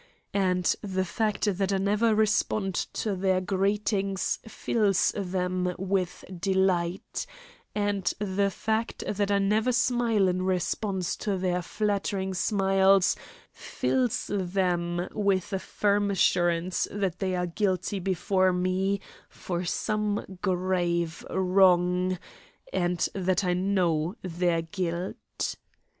And the fact that I never respond to their greetings fills them with delight, and the fact that I never smile in response to their flattering smiles, fills them with a firm assurance that they are guilty before me for some grave wrong, and that I know their guilt.